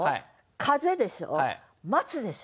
「風」でしょ「待つ」でしょ。